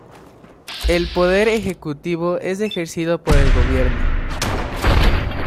El poder ejecutivo es ejercido por el gobierno.